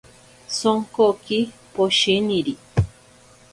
Sonkoki poshiniri.